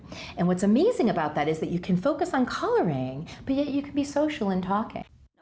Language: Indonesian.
dan yang menarik adalah anda bisa fokus mengukur tapi anda juga bisa berbicara sosial